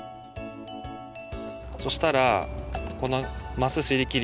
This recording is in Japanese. そしたらこのますすりきり